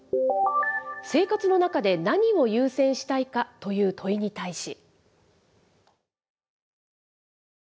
生活の中で何を優先したいかという問いに対し。